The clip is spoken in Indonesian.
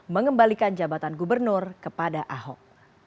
mengembalikan jabatan gubernur kepada ahok